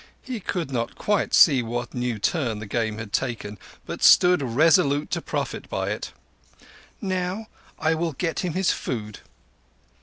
He could not quite see what new turn the game had taken, but stood resolute to profit by it. "Now I will get him his food."